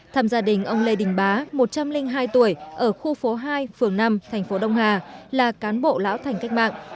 thăm gia đình ông lê đình bá một trăm linh hai tuổi ở khu phố hai phường năm thành phố đông hà là cán bộ lão thành cách mạng